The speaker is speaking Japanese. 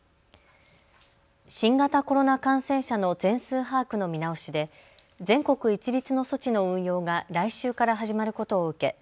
新型コロナ感染者の全数把握の見直しで全国一律の措置の運用が来週から始まることを受け